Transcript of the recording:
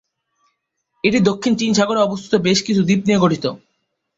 এটি দক্ষিণ চীন সাগরে অবস্থিত বেশ কিছু দ্বীপ নিয়ে গঠিত।